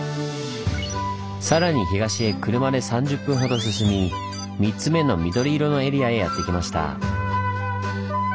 さらに東へ車で３０分ほど進み３つ目の緑色のエリアへやって来ました。